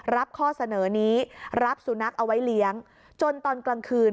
ข้อเสนอนี้รับสุนัขเอาไว้เลี้ยงจนตอนกลางคืน